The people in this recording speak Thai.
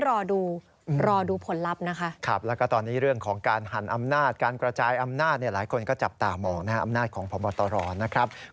รอดูรอดูผลลัพธ์นะคะครับแล้วก็ตอนนี้เรื่องของการหั่นอำนาจการกระจายอำนาจเนี่ยหลายคนก็จับตามองนะฮะอำนาจของพบตรนะครับ